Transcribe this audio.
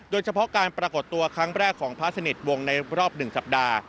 โดยเฉพาะการปรากฏตัวครั้งแรกของพระสนิทวงศ์ในรอบ๑สัปดาห์